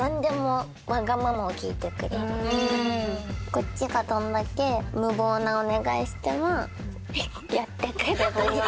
こっちがどれだけ無謀なお願いしてもやってくれる人。